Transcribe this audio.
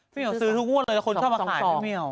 พี่นายซื้อทุกมั่วเลยคนเข้ามาขายพี่เมียว